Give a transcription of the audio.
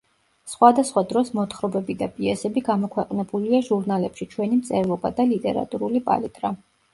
სხვადასხვა დროს მოთხრობები და პიესები გამოქვეყნებულია ჟურნალებში „ჩვენი მწერლობა“ და „ლიტერატურული პალიტრა“.